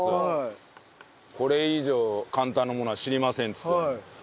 これ以上簡単なものは知りませんっつってた。